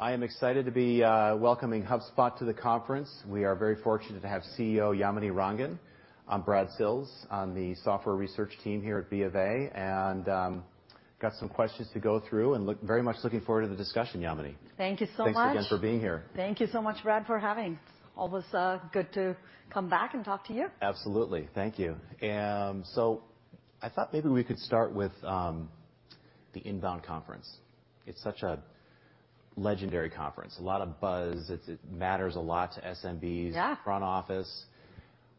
I am excited to be, welcoming HubSpot to the conference. We are very fortunate to have CEO Yamini Rangan. I'm Brad Sills on the software research team here at BofA, and, got some questions to go through and very much looking forward to the discussion, Yamini. Thank you so much. Thanks again for being here. Thank you so much, Brad, for having. Always, good to come back and talk to you. Absolutely. Thank you. I thought maybe we could start with the INBOUND conference. It's such a legendary conference, a lot of buzz. It matters a lot to SMBs. Yeah! front office.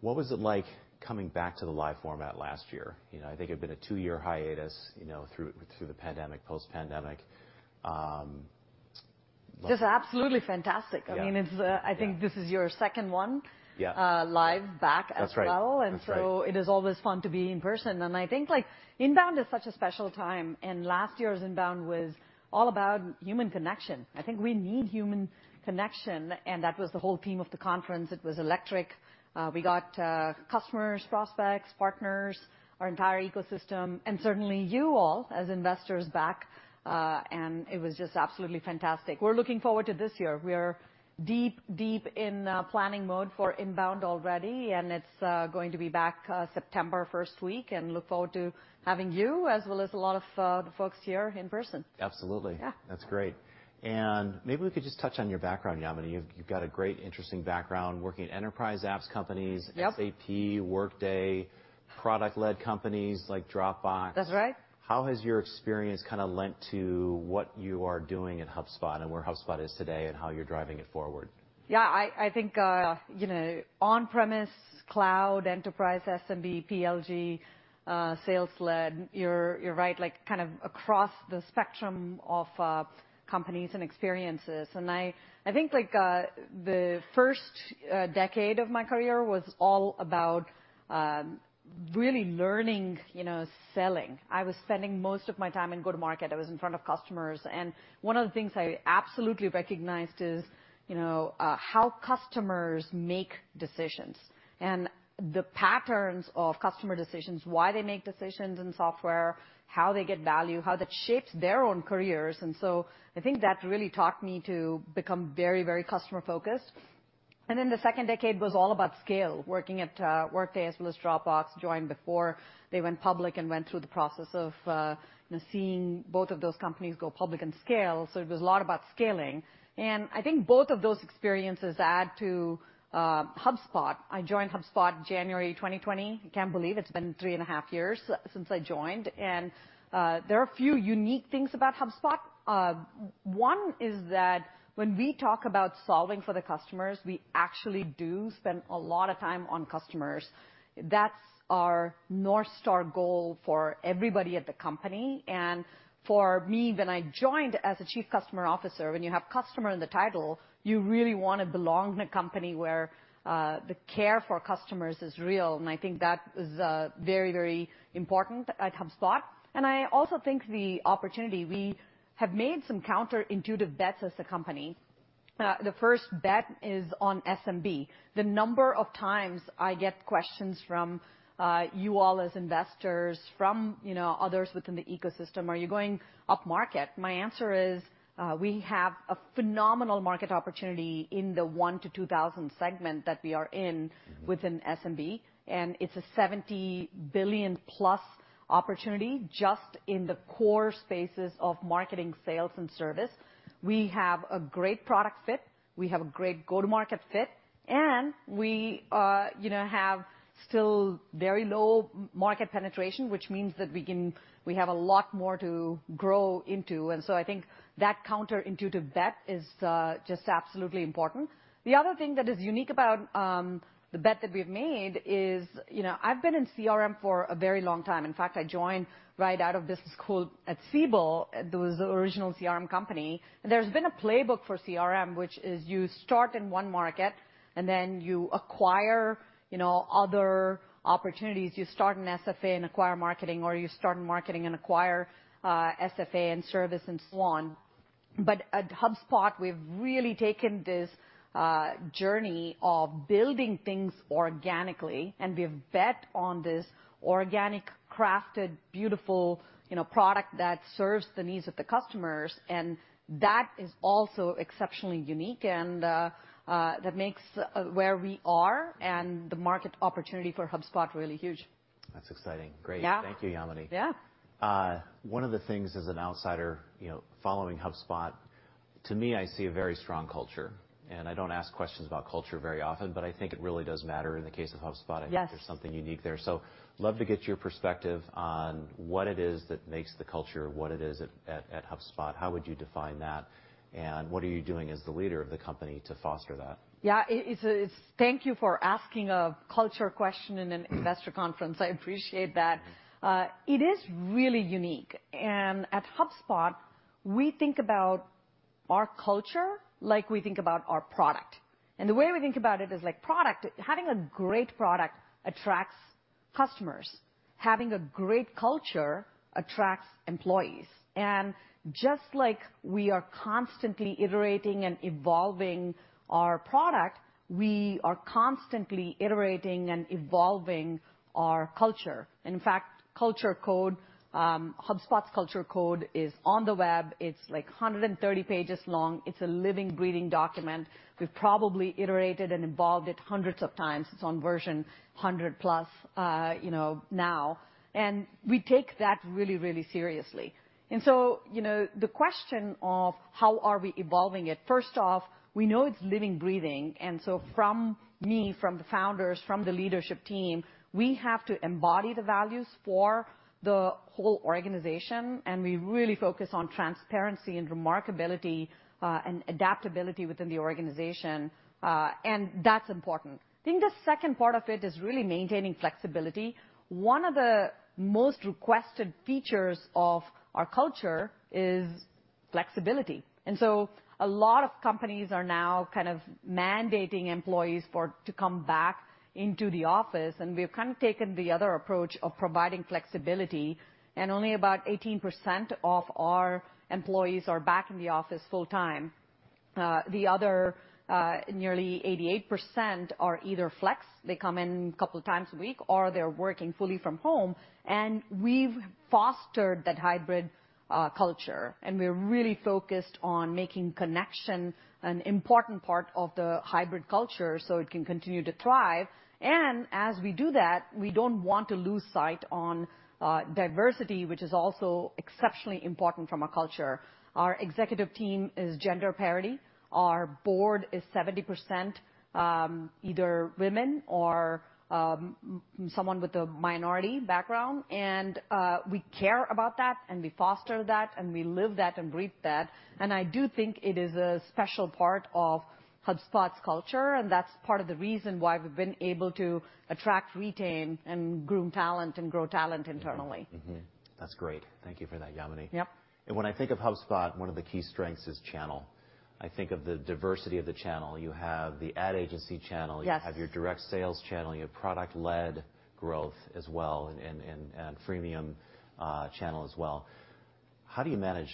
What was it like coming back to the live format last year? You know, I think it had been a two-year hiatus, you know, through the pandemic, post-pandemic. Just absolutely fantastic. Yeah. I mean, it's, I think this is your second one- Yeah. live back as well. That's right. That's right. It is always fun to be in person, and I think, like, INBOUND is such a special time, and last year's INBOUND was all about human connection. I think we need human connection, and that was the whole theme of the conference. It was electric. We got customers, prospects, partners, our entire ecosystem, and certainly you all, as investors, back. It was just absolutely fantastic. We're looking forward to this year. We are deep, deep in planning mode for INBOUND already, and it's going to be back September 1st week, and look forward to having you, as well as a lot of folks here in person. Absolutely. Yeah. That's great. maybe we could just touch on your background, Yamini. You've got a great, interesting background working at enterprise apps companies- Yep. SAP, Workday, product-led companies like Dropbox. That's right. How has your experience kind of lent to what you are doing at HubSpot and where HubSpot is today, and how you're driving it forward? Yeah, I think, you know, on-premise, cloud, enterprise, SMB, PLG, sales-led, you're right, like, kind of across the spectrum of companies and experiences, and I think, like, the first decade of my career was all about really learning, you know, selling. I was spending most of my time in go-to-market. I was in front of customers, and one of the things I absolutely recognized is, you know, how customers make decisions and the patterns of customer decisions, why they make decisions in software, how they get value, how that shapes their own careers. I think that really taught me to become very, very customer-focused. The second decade was all about scale, working at Workday as well as Dropbox, joined before they went public and went through the process of seeing both of those companies go public and scale. It was a lot about scaling. Both of those experiences add to HubSpot. I joined HubSpot January 2020. I can't believe it's been 3.5 years since I joined. There are a few unique things about HubSpot. One is that when we talk about solving for the customers, we actually do spend a lot of time on customers. That's our North Star goal for everybody at the company and for me, when I joined as a chief customer officer, when you have customer in the title, you really wanna belong in a company where, the care for customers is real, and I think that is very, very important at HubSpot. I also think the opportunity... We have made some counterintuitive bets as a company. The first bet is on SMB. The number of times I get questions from, you all as investors, from, you know, others within the ecosystem: "Are you going upmarket?" My answer is, we have a phenomenal market opportunity in the 1 to 2,000 segment that we are in with an SMB, it's a $70 billion+ opportunity just in the core spaces of marketing, sales, and service. We have a great product fit, we have a great go-to-market fit, we, you know, have still very low market penetration, which means that we have a lot more to grow into. I think that counterintuitive bet is just absolutely important. The other thing that is unique about the bet that we've made is, you know, I've been in CRM for a very long time. In fact, I joined right out of business school at Siebel, the original CRM company. There's been a playbook for CRM, which is you start in 1 market, and then you acquire, you know, other opportunities. You start in SFA and acquire marketing, or you start in marketing and acquire SFA and service and so on. At HubSpot, we've really taken this journey of building things organically, and we've bet on this organic, crafted, beautiful, you know, product that serves the needs of the customers, and that is also exceptionally unique and that makes where we are and the market opportunity for HubSpot really huge. That's exciting. Great. Yeah. Thank you, Yamini. Yeah. One of the things as an outsider, you know, following HubSpot, to me, I see a very strong culture, and I don't ask questions about culture very often, but I think it really does matter in the case of HubSpot. Yes. I think there's something unique there. Love to get your perspective on what it is that makes the culture, what it is at HubSpot. How would you define that, and what are you doing as the leader of the company to foster that? Yeah, Thank you for asking a culture question in an investor conference. I appreciate that. It is really unique, at HubSpot, we think about our culture like we think about our product. The way we think about it is like product, having a great product attracts customers. Having a great culture attracts employees, just like we are constantly iterating and evolving our product, we are constantly iterating and evolving our culture. Culture Code, HubSpot's Culture Code is on the web. It's, like, 130 pages long. It's a living, breathing document. We've probably iterated and evolved it hundreds of times. It's on version 100+, you know, now, we take that really, really seriously. You know, the question of how are we evolving it? We know it's living, breathing, and from me, from the founders, from the leadership team, we have to embody the values for the whole organization, and we really focus on transparency and remarkability, and adaptability within the organization, and that's important. I think the second part of it is really maintaining flexibility. One of the most requested features of our culture is flexibility. A lot of companies are now kind of mandating employees to come back into the office, and we've kind of taken the other approach of providing flexibility, and only about 18% of our employees are back in the office full-time. The other, nearly 88% are either flex, they come in a couple times a week, or they're working fully from home, and we've fostered that hybrid culture. We're really focused on making connection an important part of the hybrid culture so it can continue to thrive. As we do that, we don't want to lose sight on diversity, which is also exceptionally important from our culture. Our executive team is gender parity. Our board is 70% either women or someone with a minority background, and we care about that, and we foster that, and we live that and breathe that. I do think it is a special part of HubSpot's culture, and that's part of the reason why we've been able to attract, retain, and groom talent and grow talent internally. Mm-hmm. Mm-That's great. Thank you for that, Yamini. Yep. When I think of HubSpot, one of the key strengths is channel. I think of the diversity of the channel. You have the ad agency channel. Yes. You have your direct sales channel, you have product-led growth as well, and freemium channel as well. How do you manage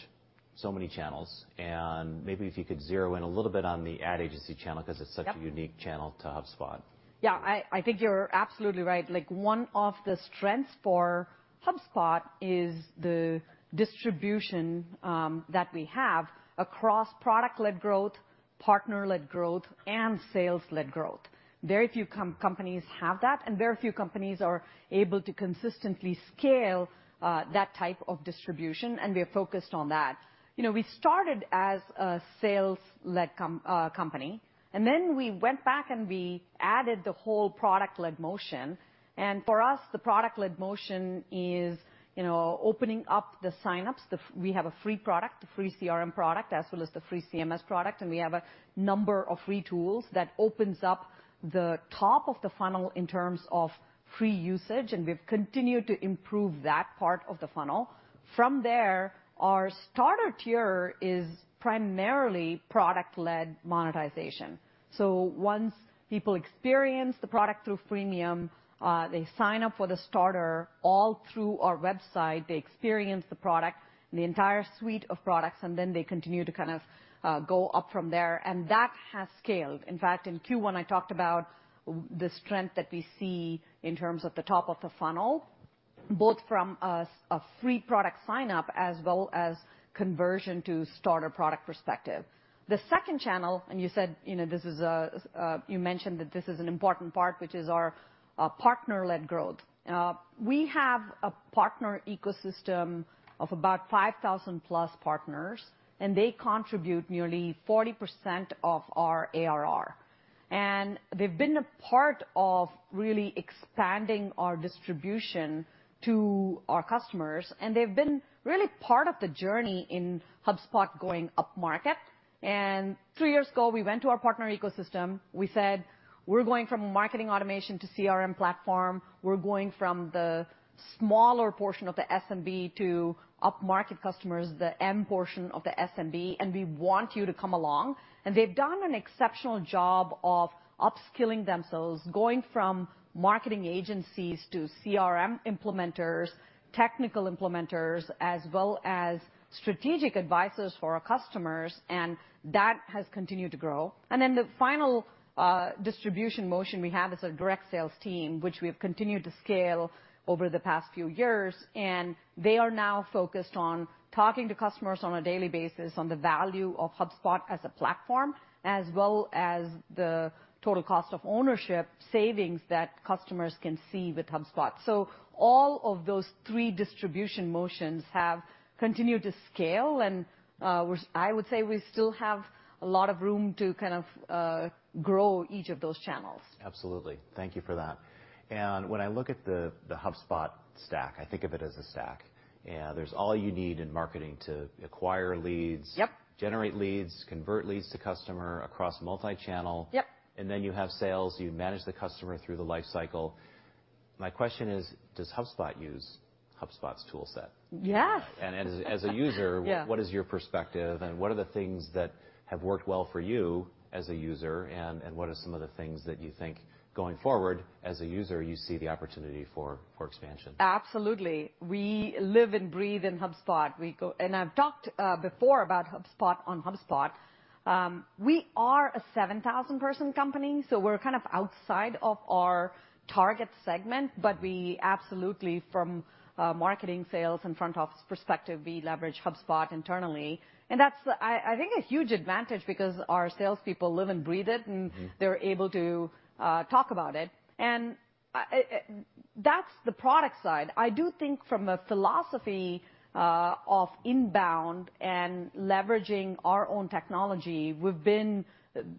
so many channels? Maybe if you could zero in a little bit on the ad agency channel. Yep such a unique channel to HubSpot. Yeah, I think you're absolutely right. Like, one of the strengths for HubSpot is the distribution that we have across product-led growth, partner-led growth, and sales-led growth. Very few companies have that, and very few companies are able to consistently scale that type of distribution, and we're focused on that. You know, we started as a sales-led company, and then we went back, and we added the whole product-led motion. For us, the product-led motion is, you know, opening up the signups. We have a free product, a free CRM product, as well as the free CMS product, and we have a number of free tools that opens up the top of the funnel in terms of free usage, and we've continued to improve that part of the funnel. From there, our starter tier is primarily product-led monetization. Once people experience the product through freemium, they sign up for the starter all through our website. They experience the product, the entire suite of products, and then they continue to kind of go up from there, and that has scaled. In fact, in Q1, I talked about the strength that we see in terms of the top of the funnel, both from a free product sign-up, as well as conversion to starter product perspective. The second channel, and you said, you know, this is a... You mentioned that this is an important part, which is our partner-led growth. We have a partner ecosystem of about 5,000+ partners, and they contribute nearly 40% of our ARR. They've been a part of really expanding our distribution to our customers, and they've been really part of the journey in HubSpot going upmarket. 3 years ago, we went to our partner ecosystem. We said: We're going from marketing automation to CRM platform. We're going from the smaller portion of the SMB to upmarket customers, the M portion of the SMB, and we want you to come along. They've done an exceptional job of upskilling themselves, going from marketing agencies to CRM implementers, technical implementers, as well as strategic advisors for our customers, and that has continued to grow. The final distribution motion we have is a direct sales team, which we have continued to scale over the past few years, and they are now focused on talking to customers on a daily basis on the value of HubSpot as a platform, as well as the total cost of ownership savings that customers can see with HubSpot. All of those three distribution motions have continued to scale, and I would say we still have a lot of room to kind of grow each of those channels. Absolutely. Thank you for that. When I look at the HubSpot stack, I think of it as a stack, and there's all you need in marketing to acquire leads. Yep. -generate leads, convert leads to customer across multi-channel. Yep. You have sales. You manage the customer through the life cycle. My question is, does HubSpot use HubSpot's tool set? Yes! And as, as a user- Yeah. What is your perspective, and what are the things that have worked well for you as a user? What are some of the things that you think, going forward as a user, you see the opportunity for expansion? Absolutely. We live and breathe in HubSpot. I've talked before about HubSpot on HubSpot. We are a 7,000 person company, so we're kind of outside of our target segment, but we absolutely from marketing, sales, and front office perspective, we leverage HubSpot internally. That's, I think, a huge advantage because our salespeople live and breathe it. They're able to talk about it. That's the product side. I do think from a philosophy of INBOUND and leveraging our own technology, we've been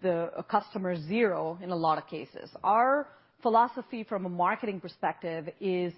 the customer zero in a lot of cases. Our philosophy from a marketing perspective is: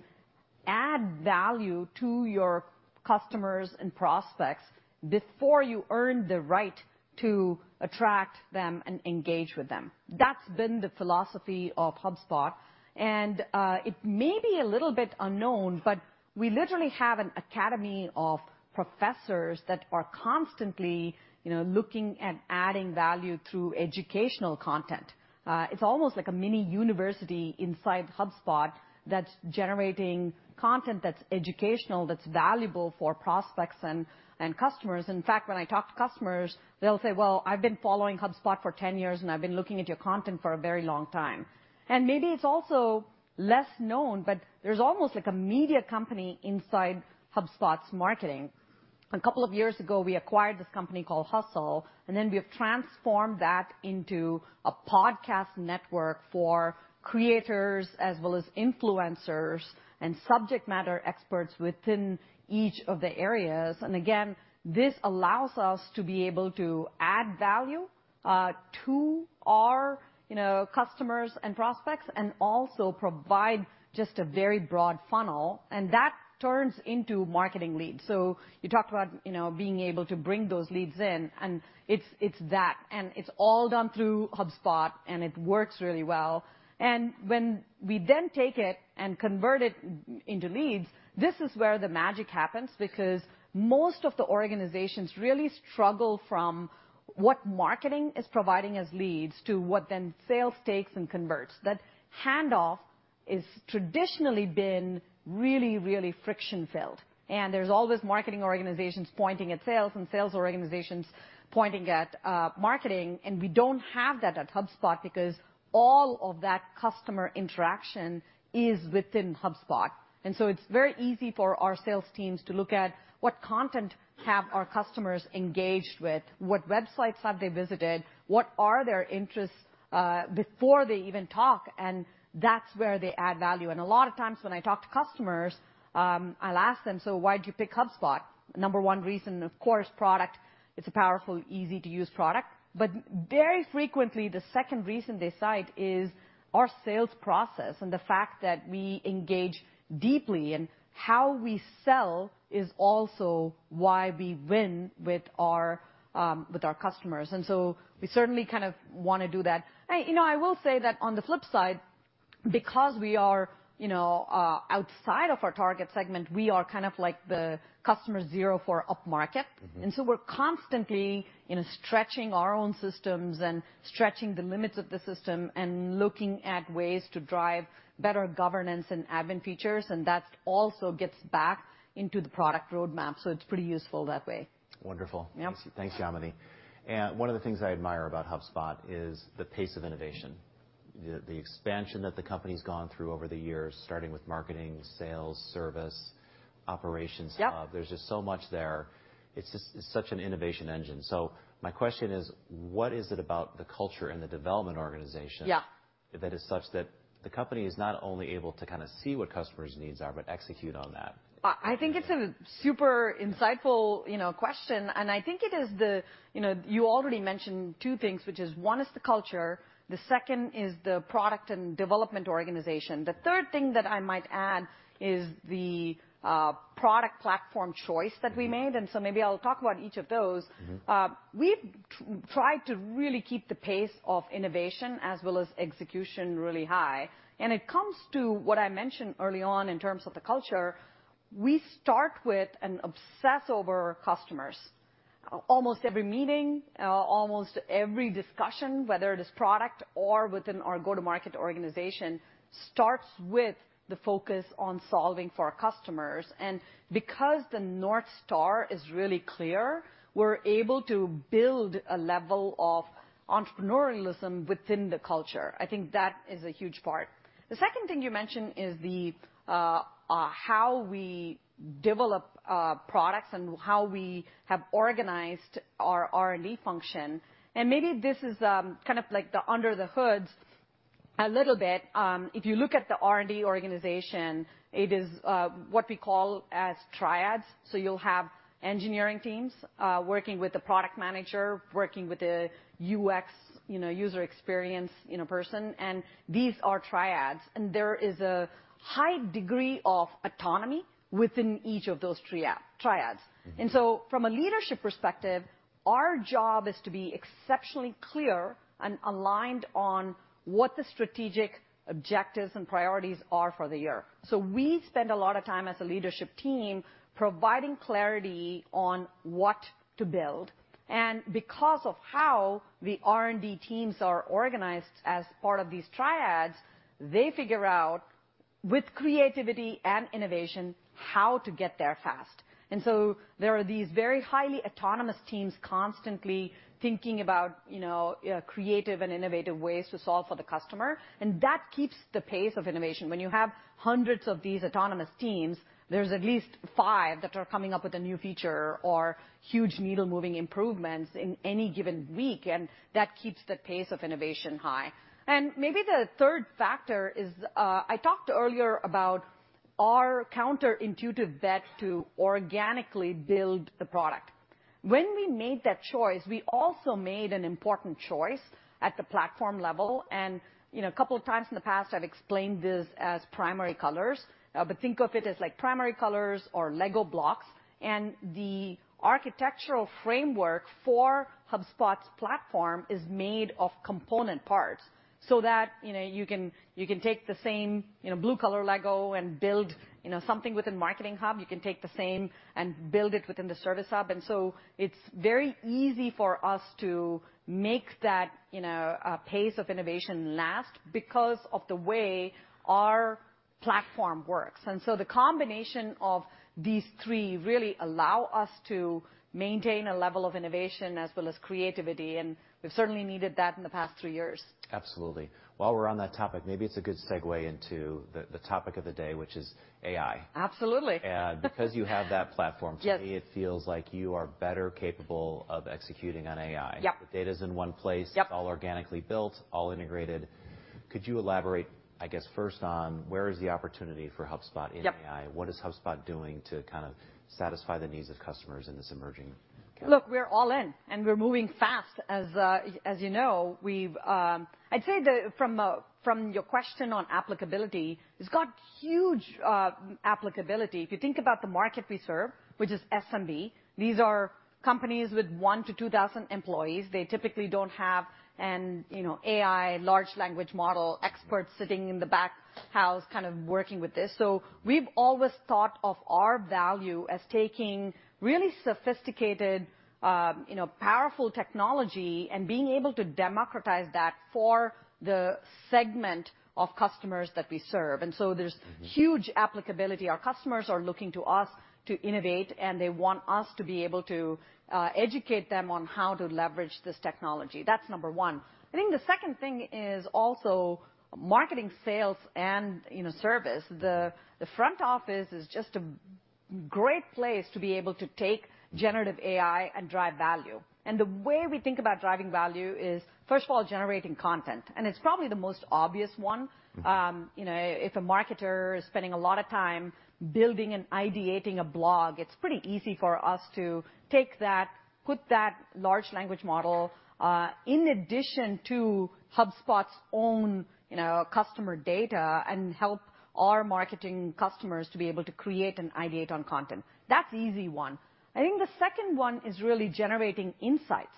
add value to your customers and prospects before you earn the right to attract them and engage with them. That's been the philosophy of HubSpot, and it may be a little bit unknown, but we literally have an academy of professors that are constantly, you know, looking at adding value through educational content. It's almost like a mini university inside HubSpot that's generating content that's educational, that's valuable for prospects and customers. In fact, when I talk to customers, they'll say, "Well, I've been following HubSpot for 10 years, and I've been looking at your content for a very long time." Maybe it's also less known, but there's almost like a media company inside HubSpot's marketing. A couple of years ago, we acquired this company called Hustle, and then we have transformed that into a podcast network for creators as well as influencers and subject matter experts within each of the areas. Again, this allows us to be able to add value to our, you know, customers and prospects, and also provide just a very broad funnel, and that turns into marketing leads. You talked about, you know, being able to bring those leads in, and it's that, and it's all done through HubSpot, and it works really well. When we then take it and convert it into leads, this is where the magic happens because most of the organizations really struggle from what marketing is providing as leads to what then sales takes and converts. That handoff is traditionally been really, really friction-filled, and there's always marketing organizations pointing at sales and sales organizations pointing at marketing, and we don't have that at HubSpot because all of that customer interaction is within HubSpot. So it's very easy for our sales teams to look at what content have our customers engaged with, what websites have they visited, what are their interests before they even talk, and that's where they add value. A lot of times when I talk to customers, I'll ask them: So why'd you pick HubSpot? Number one reason, of course, product. It's a powerful, easy-to-use product. Very frequently, the second reason they cite is our sales process and the fact that we engage deeply in how we sell is also why we win with our, with our customers. We certainly kind of wanna do that. You know, I will say that on the flip side, because we are, you know, outside of our target segment, we are kind of like the customer zero for upmarket. We're constantly, you know, stretching our own systems and stretching the limits of the system and looking at ways to drive better governance and admin features, and that also gets back into the product roadmap, so it's pretty useful that way. Wonderful. Yeah. Thanks, Yamini. One of the things I admire about HubSpot is the pace of innovation, the expansion that the company's gone through over the years, starting with Marketing, Sales, Service, Operations. Yep. There's just so much there. It's just such an innovation engine. My question is: What is it about the culture and the development organization? Yeah... that is such that the company is not only able to kinda see what customers' needs are, but execute on that? I think it's a super insightful, you know, question. You know, you already mentioned two things, which is one is the culture, the second is the product and development organization. The third thing that I might add is the product platform choice that we made. Maybe I'll talk about each of those. We've tried to really keep the pace of innovation as well as execution really high. It comes to what I mentioned early on in terms of the culture. We start with and obsess over customers. Almost every meeting, almost every discussion, whether it is product or within our go-to-market organization, starts with the focus on solving for our customers. Because the North Star is really clear, we're able to build a level of entrepreneurialism within the culture. I think that is a huge part. The second thing you mentioned is the how we develop products and how we have organized our R&D function, maybe this is kind of like the under the hoods a little bit. If you look at the R&D organization, it is what we call as triads. You'll have engineering teams, working with the product manager, working with the UX, you know, user experience, you know, person, and these are triads, and there is a high degree of autonomy within each of those triads. So, from a leadership perspective, our job is to be exceptionally clear and aligned on what the objectives and priorities are for the year. We spend a lot of time as a leadership team providing clarity on what to build, and because of how the R&D teams are organized as part of these triads, they figure out, with creativity and innovation, how to get there fast. There are these very highly autonomous teams constantly thinking about, you know, creative and innovative ways to solve for the customer, and that keeps the pace of innovation. When you have hundreds of these autonomous teams, there's at least five that are coming up with a new feature or huge needle-moving improvements in any given week, and that keeps the pace of innovation high. Maybe the third factor is, I talked earlier about our counterintuitive bet to organically build the product. When we made that choice, we also made an important choice at the platform level. You know, a couple of times in the past, I've explained this as primary colors, but think of it as like primary colors or LEGO blocks. The architectural framework for HubSpot's platform is made of component parts so that, you know, you can take the same, you know, blue color LEGO and build, you know, something within Marketing Hub. You can take the same and build it within the Service Hub. So it's very easy for us to make that, you know, pace of innovation last because of the way our platform works. The combination of these three really allow us to maintain a level of innovation as well as creativity, and we've certainly needed that in the past three years. Absolutely. While we're on that topic, maybe it's a good segue into the topic of the day, which is AI. Absolutely. because you have that platform Yes. to me, it feels like you are better capable of executing on AI. Yep. The data's in one place. Yep. It's all organically built, all integrated. Could you elaborate, I guess, first on where is the opportunity for HubSpot in AI? Yep. What is HubSpot doing to kind of satisfy the needs of customers in this emerging category? Look, we're all in, and we're moving fast. I'd say the, from your question on applicability, it's got huge applicability. If you think about the market we serve, which is SMB, these are companies with 1,000-2,000 employees. They typically don't have an, you know, AI, large language model, expert sitting in the back house, kind of working with this. we've always thought of our value as taking really sophisticated, you know, powerful technology and being able to democratize that for the segment of customers that we serve. So, there's huge applicability. Our customers are looking to us to innovate. They want us to be able to educate them on how to leverage this technology. That's number one. I think the second thing is also marketing, sales, and, you know, service. The front office is just a great place to be able to take generative AI and drive value. The way we think about driving value is, first of all, generating content, and it's probably the most obvious one. You know, if a marketer is spending a lot of time building and ideating a blog, it's pretty easy for us to take that, put that large language model, in addition to HubSpot's own, you know, customer data and help our marketing customers to be able to create and ideate on content. That's the easy one. I think the second one is really generating insights.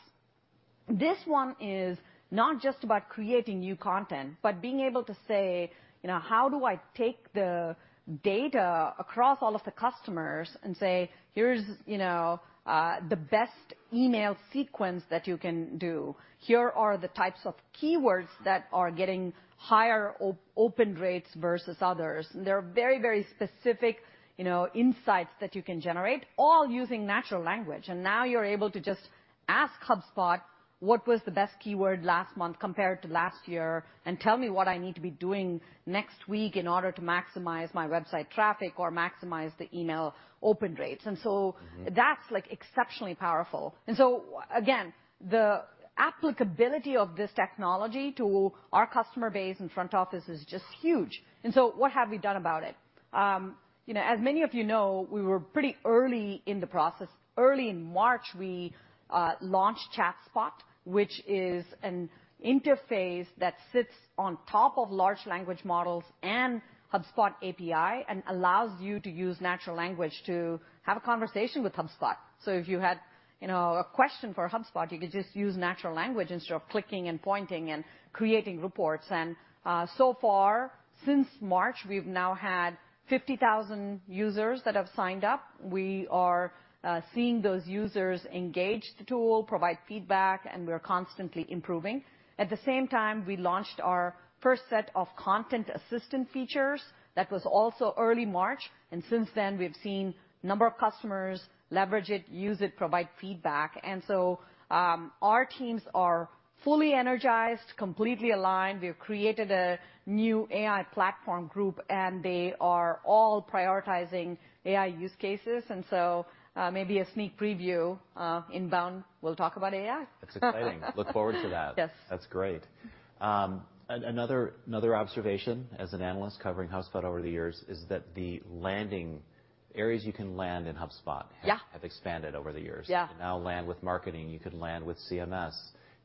This one is not just about creating new content, but being able to say, you know, "How do I take the data across all of the customers and say, here's, you know, the best email sequence that you can do? Here are the types of keywords that are getting higher open rates versus others." There are very, very specific, you know, insights that you can generate, all using natural language. Now you're able to just ask HubSpot, "What was the best keyword last month compared to last year? Tell me what I need to be doing next week in order to maximize my website traffic or maximize the email open rates. That's, like, exceptionally powerful. Again, the applicability of this technology to our customer base and front office is just huge. What have we done about it? You know, as many of you know, we were pretty early in the process. Early in March, we launched ChatSpot, which is an interface that sits on top of large language models and HubSpot API and allows you to use natural language to have a conversation with HubSpot. If you had, you know, a question for HubSpot, you could just use natural language instead of clicking and pointing and creating reports. So far, since March, we've now had 50,000 users that have signed up. We are seeing those users engage the tool, provide feedback, and we're constantly improving. At the same time, we launched our first set of Content Assistant features. That was also early March. Since then, we've seen a number of customers leverage it, use it, provide feedback. Our teams are fully energized, completely aligned. We have created a new AI platform group, and they are all prioritizing AI use cases. Maybe a sneak preview inbound, we'll talk about AI. That's exciting. Look forward to that. Yes. That's great. another observation as an analyst covering HubSpot over the years is that the landing... areas you can land in HubSpot. Yeah... have expanded over the years. Yeah. You can now land with Marketing, you could land with CMS,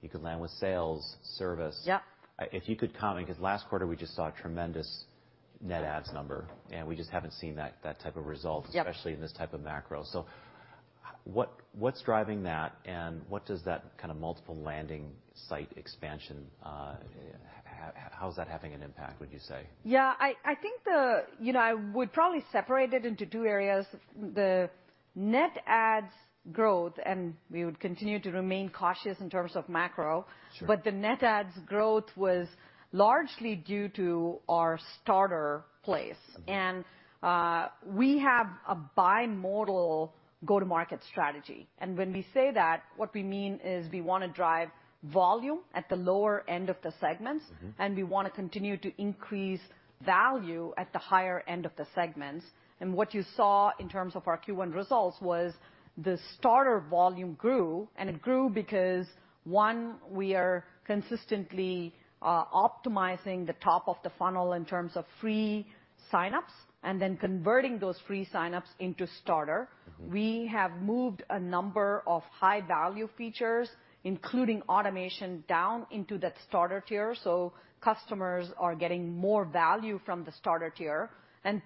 you could land with Sales, Service. Yep. If you could comment, because last quarter, we just saw a tremendous net adds number. We just haven't seen that type of result. Yep... especially in this type of macro. What's driving that, and what does that kind of multiple landing site expansion, how is that having an impact, would you say? Yeah, I think the, you know, I would probably separate it into two areas. The net adds growth, and we would continue to remain cautious in terms of macro. Sure. The net adds growth was largely due to our starter place. We have a bi-modal go-to-market strategy, and when we say that, what we mean is we want to drive volume at the lower end of the segments. We want to continue to increase value at the higher end of the segments. What you saw in terms of our Q1 results was the starter volume grew, and it grew because, 1, we are consistently optimizing the top of the funnel in terms of free signups and then converting those free signups into starter. We have moved a number of high-value features, including automation, down into that starter tier, so customers are getting more value from the starter tier.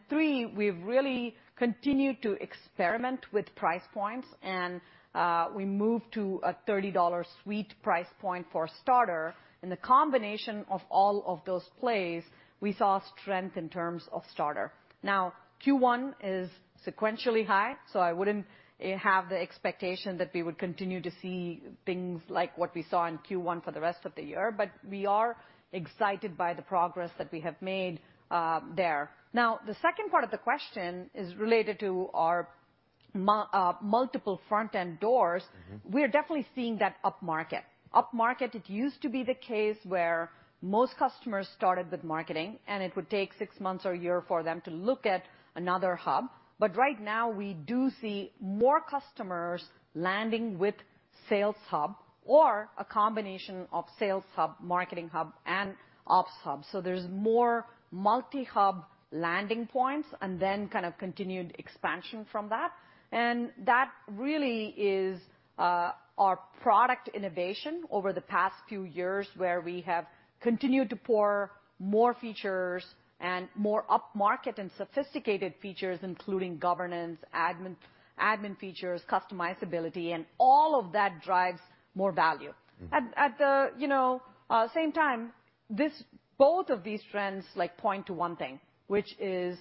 Three, we've really continued to experiment with price points, and we moved to a $30 suite price point for starter. The combination of all of those plays, we saw strength in terms of starter. Now, Q1 is sequentially high, so I wouldn't have the expectation that we would continue to see things like what we saw in Q1 for the rest of the year, but we are excited by the progress that we have made there. Now, the second part of the question is related to our multiple front-end doors. We are definitely seeing that upmarket. Upmarket, it used to be the case where most customers started with Marketing Hub, and it would take six months or a year for them to look at another Hub. Right now, we do see more customers landing with Sales Hub or a combination of Sales Hub, Marketing Hub, and Operations Hub. There's more multi-hub landing points and then kind of continued expansion from that. That really is our product innovation over the past few years, where we have continued to pour more features and more upmarket and sophisticated features, including governance, admin features, customizability, and all of that drives more value. At the, you know, same time, both of these trends like point to one thing, which is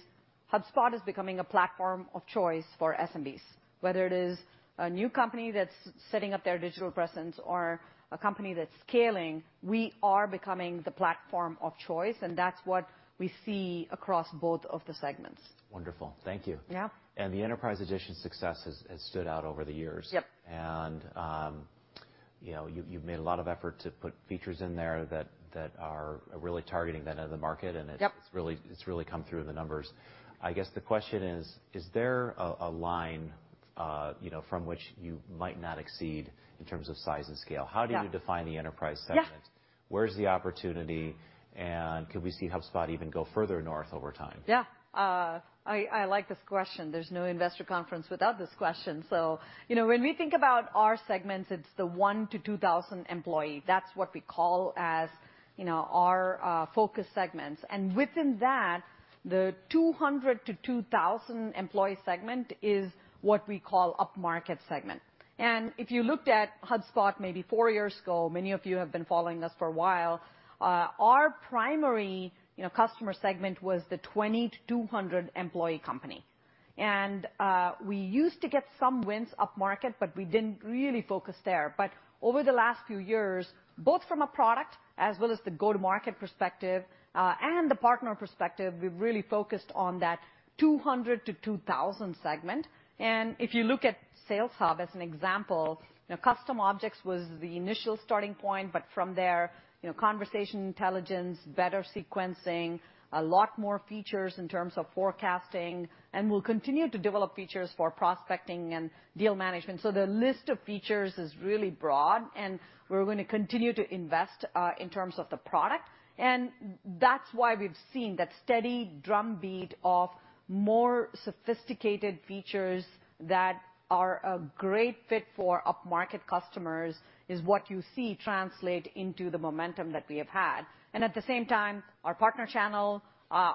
HubSpot is becoming a platform of choice for SMBs. Whether it is a new company that's setting up their digital presence or a company that's scaling, we are becoming the platform of choice, and that's what we see across both of the segments. Wonderful. Thank you. Yeah. The enterprise edition success has stood out over the years. Yep. you know, you've made a lot of effort to put features in there that are really targeting that end of the market. Yep... it's really come through in the numbers. I guess the question is: Is there a line, you know, from which you might not exceed in terms of size and scale? Yeah. How do you define the Enterprise segment? Yeah. Where's the opportunity, and could we see HubSpot even go further north over time? Yeah. I like this question. There's no investor conference without this question. You know, when we think about our segments, it's the 1 to 2,000 employee. That's what we call as, you know, our focus segments. Within that, the 200 to 2,000 Employee segment is what we call Upmarket segment. If you looked at HubSpot maybe 4 years ago, many of you have been following us for a while, our primary, you know, Customer segment was the 20 to 200 employee company. We used to get some wins upmarket, but we didn't really focus there. Over the last few years, both from a product as well as the go-to-market perspective, and the partner perspective, we've really focused on that 200 to 2,000 segment. If you look at Sales Hub, as an example, you know, custom objects was the initial starting point, but from there, you know, conversation intelligence, better sequencing, a lot more features in terms of forecasting, and we'll continue to develop features for prospecting and deal management. The list of features is really broad, and we're going to continue to invest in terms of the product. That's why we've seen that steady drumbeat of more sophisticated features that are a great fit for upmarket customers, is what you see translate into the momentum that we have had. At the same time, our partner channel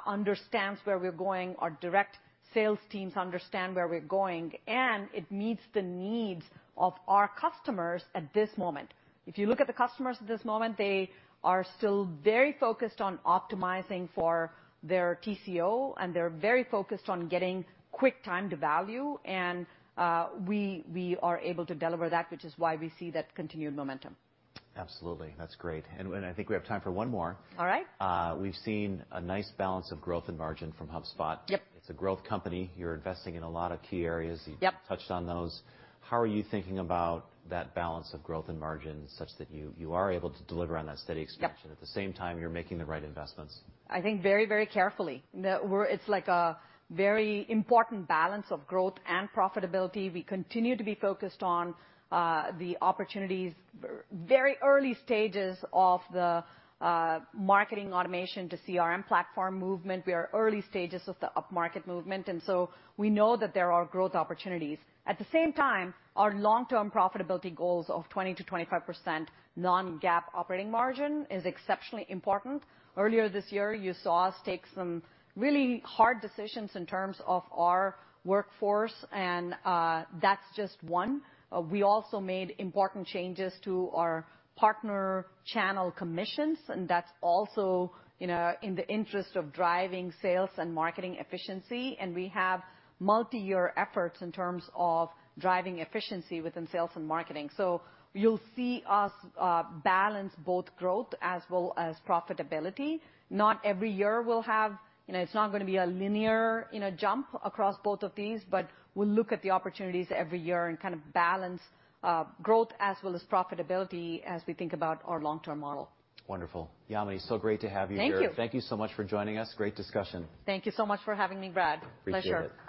understands where we're going, our direct sales teams understand where we're going, and it meets the needs of our customers at this moment. If you look at the customers at this moment, they are still very focused on optimizing for their TCO, and they're very focused on getting quick time to value, and we are able to deliver that, which is why we see that continued momentum. Absolutely. That's great. I think we have time for one more. All right. We've seen a nice balance of growth and margin from HubSpot. Yep. It's a growth company. You're investing in a lot of key areas. Yep. You touched on those. How are you thinking about that balance of growth and margin, such that you are able to deliver on that steady expansion? Yep at the same time, you're making the right investments? I think very, very carefully. It's like a very important balance of growth and profitability. We continue to be focused on the opportunities, very early stages of the marketing automation to CRM platform movement. We are early stages of the upmarket movement. We know that there are growth opportunities. At the same time, our long-term profitability goals of 20%-25% non-GAAP operating margin is exceptionally important. Earlier this year, you saw us take some really hard decisions in terms of our workforce. That's just one. We also made important changes to our partner channel commissions. That's also, you know, in the interest of driving sales and marketing efficiency. We have multi-year efforts in terms of driving efficiency within sales and marketing. You'll see us balance both growth as well as profitability. Not every year we'll have... You know, it's not gonna be a linear, you know, jump across both of these, but we'll look at the opportunities every year and kind of balance growth as well as profitability as we think about our long-term model. Wonderful. Yamini, so great to have you here. Thank you. Thank you so much for joining us. Great discussion. Thank you so much for having me, Brad. Appreciate it. Pleasure.